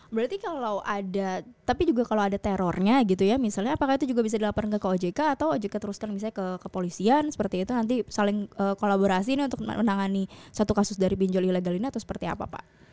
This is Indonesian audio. berarti kalau ada tapi juga kalau ada terornya gitu ya misalnya apakah itu juga bisa dilaporkan ke ojk atau ojk terus terang misalnya ke kepolisian seperti itu nanti saling kolaborasi ini untuk menangani satu kasus dari pinjol ilegal ini atau seperti apa pak